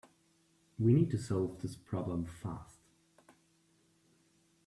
We need to solve this problem fast.